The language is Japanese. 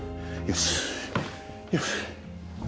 よし！